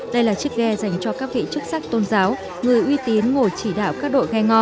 đây là chiếc ghe dành cho các vị chức sắc tôn giáo người uy tín ngồi chỉ đạo các đội ghe ngò